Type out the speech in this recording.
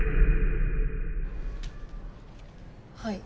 はい。